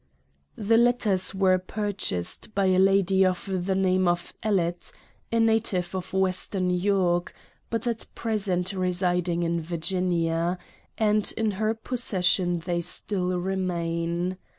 The letters were purchased by a lady of the name of Ellet, a native of Western New York, but at present residing in Virginia, and in her possession they still remain.